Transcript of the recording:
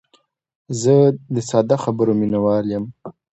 زه د ساده خبرو مینوال یم.